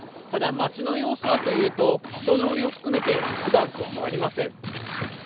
ただ、街の様子はというと、人通りを含めて、ふだんと変わりません。